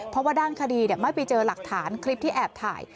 เพราะว่าด้านคดีไม่ไปเจอหลักฐานคลิปที่แอบถ่าย